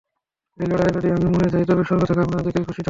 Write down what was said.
এই লড়াইয়ে যদি আমি মরে যাই, তবে স্বর্গ থেকে আপনাদের দেখেই খুশি থাকব।